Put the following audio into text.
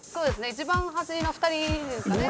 一番端の２人ですかね。